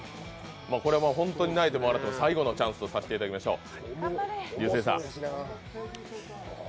これは本当に泣いても笑っても最後のチャンスとさせていただきましょう。